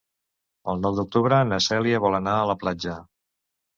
El nou d'octubre na Cèlia vol anar a la platja.